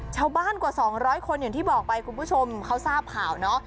ชาวบ้านกว่า๒๐๐คนอย่างที่บอกไปคุณผู้ชมเขาทราบเผาเนอะ